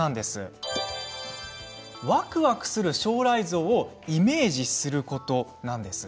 わくわくする将来像をイメージすることなんです。